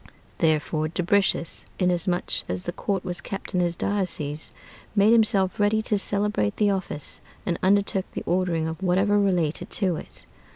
Therefore Dubricius, inasmuch as the court was kept in his diocese, made himself ready to celebrate the office, and undertook the ordering of whatever related to it.